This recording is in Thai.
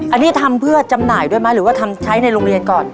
อันนี้ทำเพื่อจำหน่ายด้วยไหมหรือว่าทำใช้ในโรงเรียนก่อน